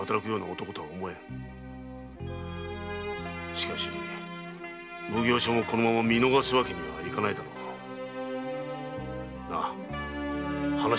しかし奉行所もこのまま見逃すわけにはいかないだろう。なぁ話してくれぬか？